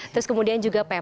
terus kemudian juga pepes